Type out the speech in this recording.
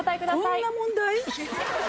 こんな問題。